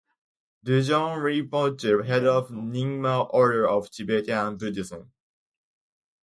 Dudjom Rinpoche, head of the Nyingma order of Tibetan Buddhism.